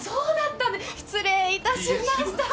失礼いたしました。